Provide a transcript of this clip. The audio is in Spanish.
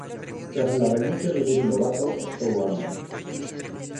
Tras la renuncia de Demi Lovato, So Random!